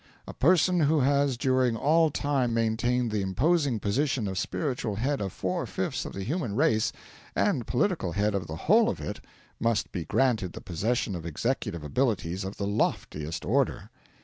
A person who has during all time maintained the imposing position of spiritual head of four fifths of the human race, and political head of the whole of it, must be granted the possession of executive abilities of the loftiest order.